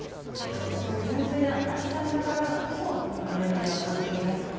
そういう純粋なアキさんだからこそやっぱ年齢は関係ないって。